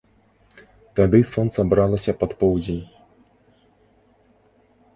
Тады сонца бралася пад поўдзень.